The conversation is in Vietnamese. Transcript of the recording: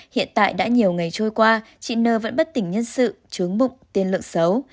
hiện tại đã nhiều ngày trôi qua chị n vẫn bất tỉnh nhân sự trướng bụng tiên lượng xấu